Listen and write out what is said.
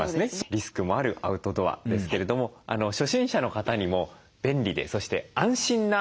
リスクもあるアウトドアですけれども初心者の方にも便利でそして安心なグッズを続いて見ていきたいと思います。